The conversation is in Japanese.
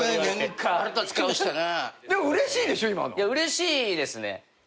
うれしいですね。